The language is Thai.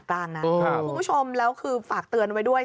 คุณผู้ชมแล้วคือฝากเตือนไว้ด้วย